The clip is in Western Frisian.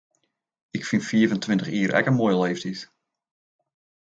Ik fyn fiif en tweintich jier ek in moaie leeftyd.